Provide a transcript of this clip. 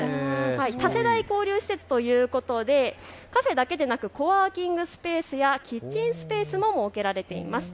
多世代交流施設ということでカフェだけでなくコワーキングスペースやキッチンスペースも設けられています。